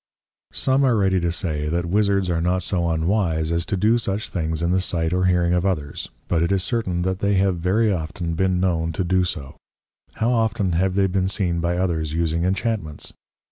_ Some are ready to say, that Wizzards are not so unwise as to do such things in the sight or hearing of others, but it is certain that they have very often been known to do so: How often have they been seen by others using Inchantments?